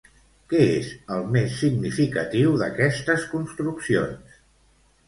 Què és el més significatiu d'aquestes construccions?